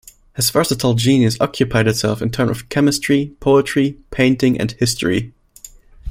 His versatile genius occupied itself in turn with chemistry, poetry, painting and history.